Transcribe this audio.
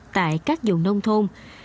tại các vùng nông thôn